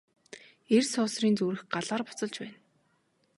Эр суусрын зүрх Галаар буцалж байна.